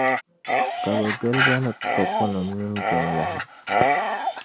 Ka bɛ gili ba ni kopunima mini jiŋlahi.